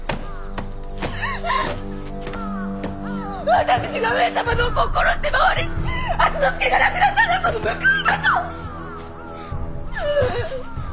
私が上様のお子を殺して回り敦之助が亡くなったのはその報いだと！